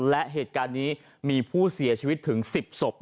และเหตุการณ์นี้มีผู้เสียชีวิตถึง๑๐ศพ